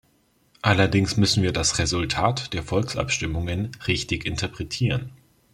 Allerdings müssen wir das Resultat der Volksabstimmungen richtig interpretieren.